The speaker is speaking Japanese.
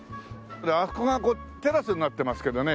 であそこがテラスになってますけどね